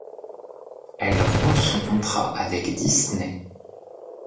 Elle rompt son contrat avec Disney.